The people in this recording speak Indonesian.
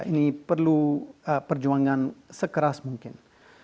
ini perlu perjuangan sekeras mungkin